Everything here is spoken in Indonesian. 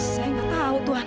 saya nggak tahu tuhan